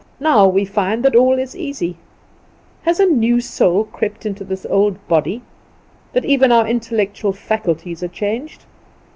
Now we find that all is easy. Has a new soul crept into this old body, that even our intellectual faculties are changed?